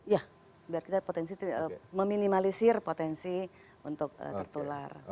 ya biar kita potensi meminimalisir potensi untuk tertular